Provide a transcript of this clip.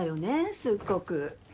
すっごく。